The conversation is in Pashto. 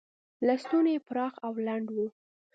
لستوڼي یې پراخ او لنډ و.